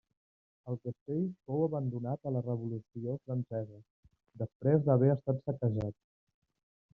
El castell fou abandonat a la Revolució Francesa, després d'haver estat saquejat.